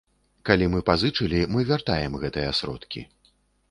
Калі мы пазычылі, мы вяртаем гэтыя сродкі.